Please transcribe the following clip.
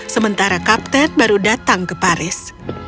sementara kapten baru datang ke paris